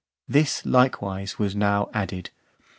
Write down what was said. This, likewise, was now added.